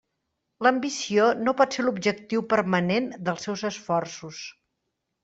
L'ambició no pot ser l'objectiu permanent dels seus esforços.